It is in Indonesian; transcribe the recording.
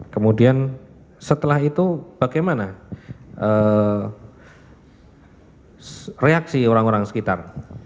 kemudian setelah itu bagaimana reaksi orang orang sekitar